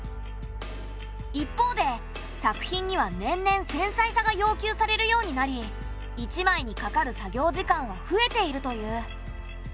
一方で作品には年々繊細さが要求されるようになり１枚にかかる作業時間は増えているという。